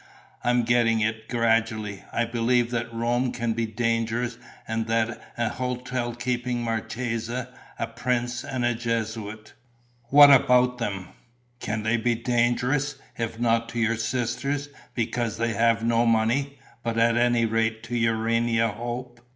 "I'm getting it, gradually. I believe that Rome can be dangerous and that an hotel keeping marchesa, a prince and a Jesuit...." "What about them?" "Can be dangerous, if not to your sisters, because they have no money, but at any rate to Urania Hope."